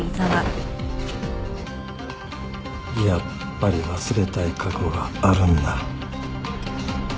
やっぱり忘れたい過去があるんだ。